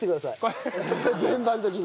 現場の時に。